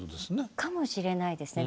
かもしれないですね。